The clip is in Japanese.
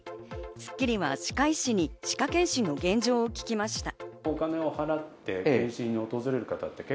『スッキリ』は歯科医師に歯科健診の現状を聞きました。